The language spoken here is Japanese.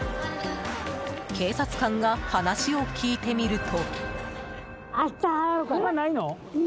警察官が話を聞いてみると。